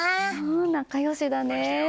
仲良しだね。